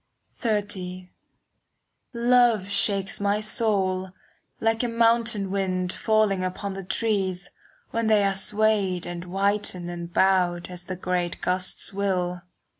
XXX Love shakes my soul, like a mountain wind Falling upon the trees, When they are swayed and whitened and bowed As the great gusts will.